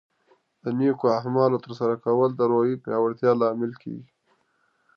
د نیکو اعمالو ترسره کول د روحیې پیاوړتیا لامل کیږي.